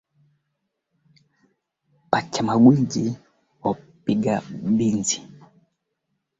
usiku huo ulikuwa na maigizo mengi sana ya uokoaji